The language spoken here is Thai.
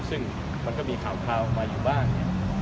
ซึ่งมันก็มีข่าวมาอยู่บ้างเนี่ย